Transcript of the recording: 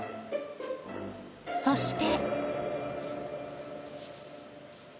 そして。